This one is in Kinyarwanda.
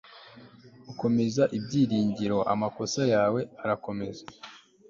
ukomeza ibyiringiro, amakosa yawe arakomeza